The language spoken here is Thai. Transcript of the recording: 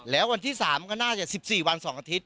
แล้ววันที่๓ก็น่าจะ๑๔วัน๒อาทิตย